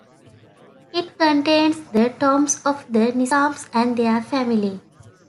It contains the tombs of the Nizams and their family.